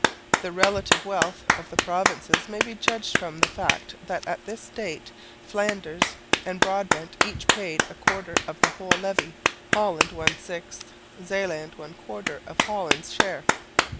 The relative wealth of the provinces may be judged from the fact that at this date Flanders and Brabant each paid a quarter of the whole levy, Holland one sixth, Zeeland one quarter of Holland's share.